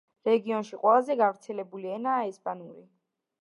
რეგიონში ყველაზე გავრცელებული ენაა ესპანური.